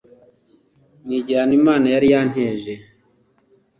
” N’igihano Imana yari yanteje